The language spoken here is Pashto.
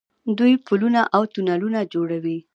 دوی پلونه او تونلونه جوړوي.